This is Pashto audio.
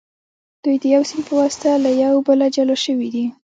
دوی د یو سیند په واسطه له یو بله جلا شوي دي.